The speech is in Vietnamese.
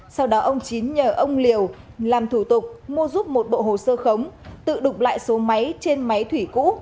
sau đó ông chín nhờ ông liều làm thủ tục mua giúp một bộ hồ sơ khống tự đục lại số máy trên máy thủy cũ